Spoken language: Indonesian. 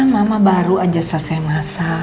mama baru aja sasai masak